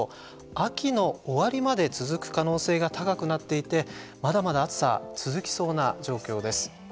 秋の終わりまで続く可能性が高くなっていてまだまだ暑さは続きそうな状況です。